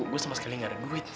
gua sama sekali nggak ada duit